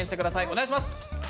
お願いします。